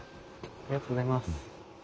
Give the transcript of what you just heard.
ありがとうございます。